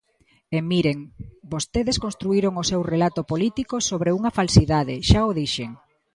E, miren, vostedes construíron o seu relato político sobre unha falsidade, xa o dixen.